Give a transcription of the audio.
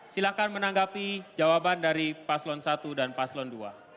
silahkan menanggapi jawaban dari paslon satu dan paslon dua